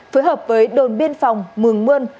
phối hợp với đồn biên phòng mường mươn